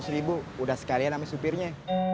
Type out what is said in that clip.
lima ratus ribu udah sekalian sama supirnya